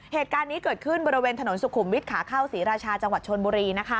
เหตุการณ์นี้เกิดขึ้นบริเวณถนนสุขุมวิทย์ขาเข้าศรีราชาจังหวัดชนบุรี